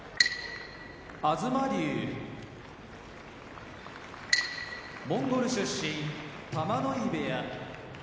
東龍モンゴル出身玉ノ井部屋